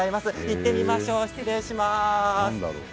行ってみましょう、失礼します。